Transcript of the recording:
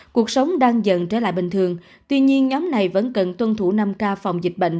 cuộc sống đang dần trở lại bình thường tuy nhiên nhóm này vẫn cần tuân thủ năm k phòng dịch bệnh